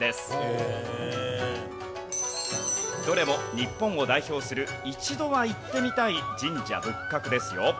どれも日本を代表する一度は行ってみたい神社仏閣ですよ。